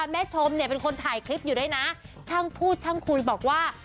แม่ชมเนี่ยเป็นคนถ่ายคลิปอยู่ด้วยนะช่างพูดช่างคุยบอกว่า